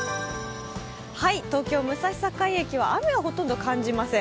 東京・武蔵境駅は雨はほとんど感じません。